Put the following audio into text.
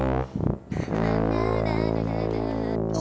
nanti saya kesana aja yuk